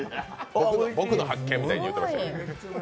僕の発見みたいに言うてましたけど。